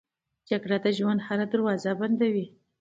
جګړه د ژوند هره دروازه بندوي